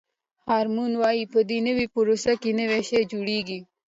هارمون وایي په دې پروسه کې نوی شی جوړیږي.